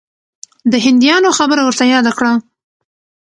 د هندیانو خبره ورته یاده کړه.